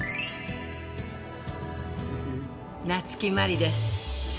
夏木マリです。